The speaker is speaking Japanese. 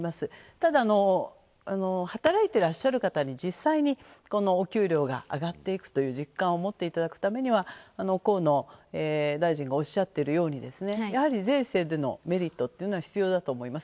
ただ、働いてらっしゃる方に実際にお給料が上がっていくという実感を持っていただくためには河野大臣がおっしゃっているようにやはり税制でのメリットというのは必要だと思います。